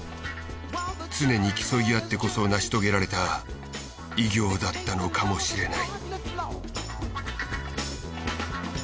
常に競い合ってこそ成し遂げられた偉業だったのかもしれない。